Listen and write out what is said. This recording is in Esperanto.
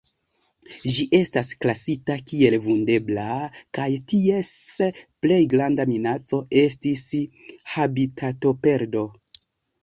Ĝi estas klasita kiel Vundebla, kaj ties plej granda minaco estas habitatoperdo.